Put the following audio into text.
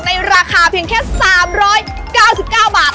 ในราคาเพียงแค่๓๙๙บาท